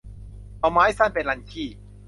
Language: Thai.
เอาไม้สั้นไปรันขี้